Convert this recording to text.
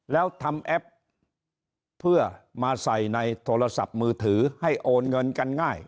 แล้วทำแอปเพื่อมาใส่ในโทรศัพท์มือถือให้โอนเงินกันง่าย